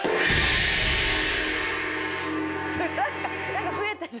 何か増えてる。